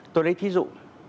tôi lấy thí dụ